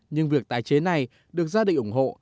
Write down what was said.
nhưng việc tái chế này được gia đình ủng hộ